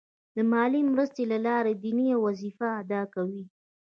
د مالي مرستې له لارې دیني وظیفه ادا کوي.